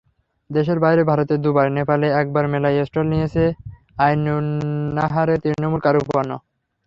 দেশের বাইরে ভারতে দুবার, নেপালে একবার মেলায় স্টল নিয়েছে আইনুন্নাহারের তৃণমূল কারুপণ্য।